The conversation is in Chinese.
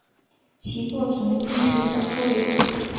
其作品以历史小说为主。